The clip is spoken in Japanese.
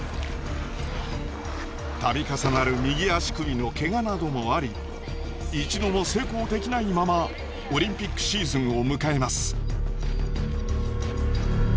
度重なる右足首のけがなどもあり一度も成功できないままオリンピックシーズンを迎えます。